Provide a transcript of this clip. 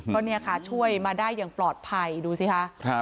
เพราะนี่ช่วยมาได้อย่างปลอดภัยดูสิค่ะ